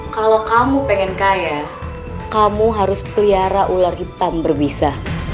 kalau kamu pengen kaya kamu harus pelihara ular hitam berbisa